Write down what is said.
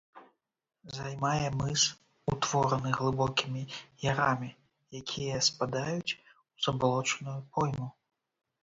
Займае мыс, утвораны глыбокімі ярамі, якія спадаюць у забалочаную пойму.